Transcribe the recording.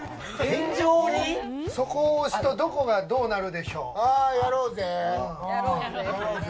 そこを押すと、どこがどうなるでしょう？